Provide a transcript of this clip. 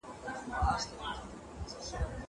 زه به سبا سړو ته خواړه ورکوم.